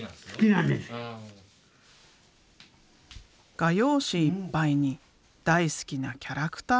画用紙いっぱいに大好きなキャラクターを描いていく。